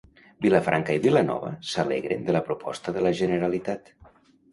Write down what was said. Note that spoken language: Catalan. Vilafranca i Vilanova s'alegren de la proposta de la Generalitat.